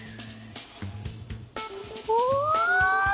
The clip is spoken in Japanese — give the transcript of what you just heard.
お！